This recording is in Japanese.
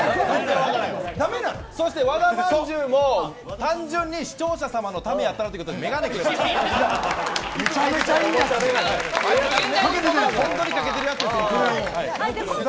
そして和田まんじゅうも単純に視聴者のためだったらということで眼鏡くれました。